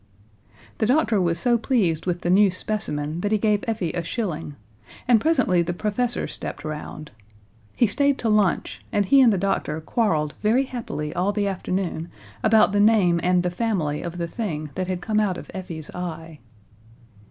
The doctor was so pleased with the new specimen that he gave Effie a shilling, and presently the professor stepped round. He stayed to lunch, and he and the doctor quarreled very happily all the afternoon about the name and the family of the thing that had come out of Effie's eye.